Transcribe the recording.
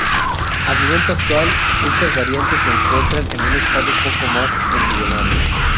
Al momento actual, estas variantes se encuentra en un estado poco más que embrionario.